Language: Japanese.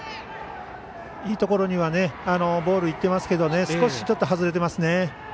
いいところにボールがいっていますけど少し外れてますね。